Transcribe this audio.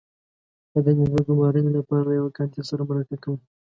-په دندې د ګمارنې لپاره له یوه کاندید سره مرکه کول